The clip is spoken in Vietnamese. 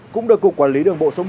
cũng được cục quản lý đường bộ số một